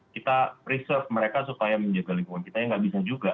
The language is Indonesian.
kita preserve mereka supaya menjaga lingkungan kita yang nggak bisa juga